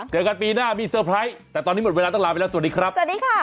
เจอกันปีหน้ามีเซอร์ไพรส์แต่ตอนนี้หมดเวลาต้องลาไปแล้วสวัสดีครับสวัสดีค่ะ